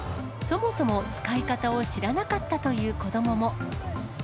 そもそも使い方を知らなかったという子どもも。